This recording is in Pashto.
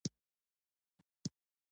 ایا زه باید لمونځ وکړم؟